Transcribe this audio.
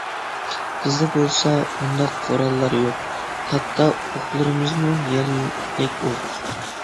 بىزدە بولسا، ئۇنداق قوراللار يوق، ھەتتا ئوقلىرىمىزمۇ يەرلىك ئوق.